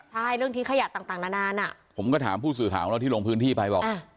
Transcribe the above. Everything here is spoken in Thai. ใช่เรื่องที่ขยะต่างต่างนานานอ่ะผมก็ถามผู้สื่อถามแล้วที่ลงพื้นที่ไปบอกอ่า